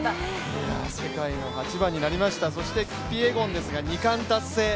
世界の８番になりました、キピエゴン、２冠達成。